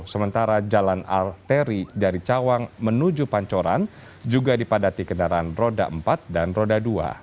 sementara jalan arteri dari cawang menuju pancoran juga dipadati kendaraan roda empat dan roda dua